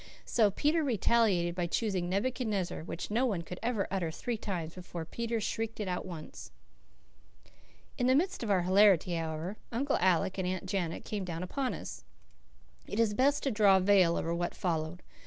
So Peter retaliated by choosing Nebuchadnezzar, which no one could ever utter three times before Peter shrieked it out once. In the midst of our hilarity, however, Uncle Alec and Aunt Janet came down upon us. It is best to draw a veil over what followed.